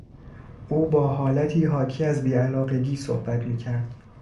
او با حالتی حاکی از بیعلاقگی صحبت میکرد.